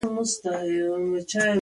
د پښتو پرمختګ زموږ د ګډ کار نتیجه ده.